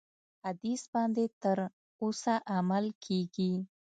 حدیث باندي تر اوسه عمل کیږي.